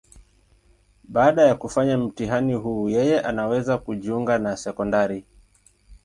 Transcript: Baada ya kufanya mtihani huu, yeye anaweza kujiunga na sekondari.